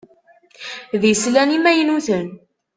D islan imaynuten.